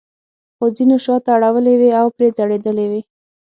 خو ځینو شاته اړولې وې او پرې ځړېدلې وې.